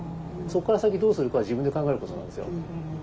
そこから先どうするかは自分で考えることなんですよ。